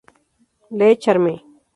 Le Charme